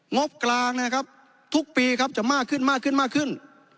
งบกลางนะครับทุกปีครับจะมากขึ้นมากขึ้นมากขึ้น